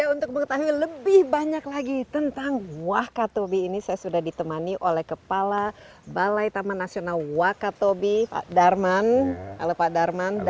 untuk mengetahui lebih banyak lagi tentang wakatobi ini saya sudah ditemani oleh kepala balai taman nasional wakatobi pak darman